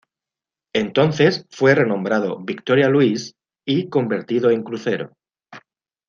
Entonces fue renombrado "Viktoria Luise" y convertido en crucero.